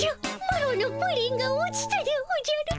マロのプリンが落ちたでおじゃる。